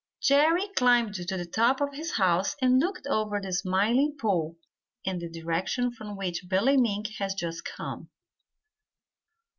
Jerry climbed to the top of his house and looked over the Smiling Pool in the direction from which Billy Mink had just come.